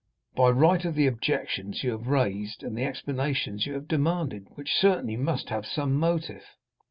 "By right of the objections you have raised, and the explanations you have demanded, which certainly must have some motive."